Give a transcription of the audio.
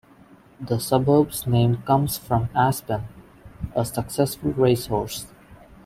The suburb's name comes from "Aspen", a successful racehorse.